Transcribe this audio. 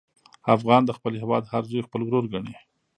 افغان د خپل هېواد هر زوی خپل ورور ګڼي.